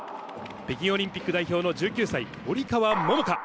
北京オリンピック代表の１９歳、堀川桃香。